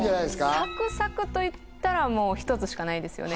サクサクといったらもう一つしかないですよね